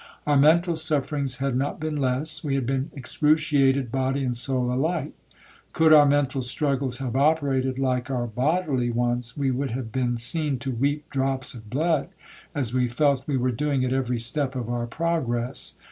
Our mental sufferings had not been less,—we had been excruciated body and soul alike. Could our mental struggles have operated like our bodily ones, we would have been seen to weep drops of blood, as we felt we were doing at every step of our progress.